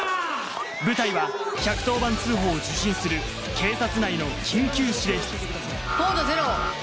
舞台は１１０番通報を受信する警察内の緊急指令室コード０。